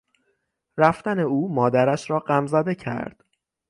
رفتن او مادرش را غمزده کرد.